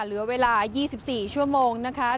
เหลือเวลา๒๔ชั่วโมงนะคะ